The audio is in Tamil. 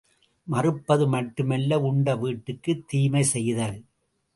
மறப்பது மட்டுமல்ல உண்ட வீட்டுக்குத் தீமை செய்தல்!